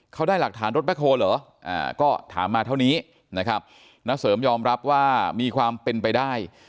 เขาได้หลักฐานรถแคคโฮเหรอก็ถามมาเท่านี้นะครับณเสริมยอมรับว่ามีความเป็นไปได้